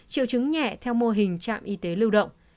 triệu chứng nhẹ theo mô hình trạm y tế lưu động